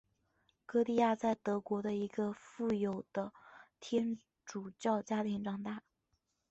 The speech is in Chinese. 歌地亚在德国的一个富有的天主教家庭长大。